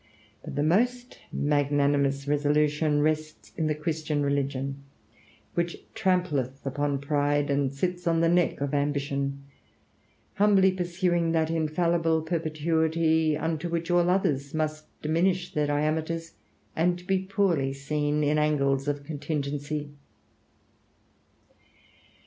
But the most magnanimous resolution rests in the Christian religion, which trampleth upon pride and sits on the neck of ambition, humbly pursuing that infallible perpetuity unto which all others must diminish their diameters, and be poorly seen in angles of contingency.